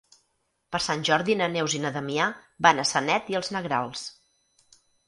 Per Sant Jordi na Neus i na Damià van a Sanet i els Negrals.